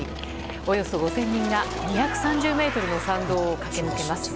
およそ５０００人が２３０ｍの参道を駆け抜けます。